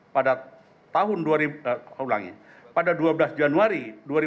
pada dua belas januari dua ribu sembilan